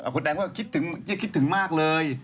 คนแอมก็จะคิดถึงมากเลย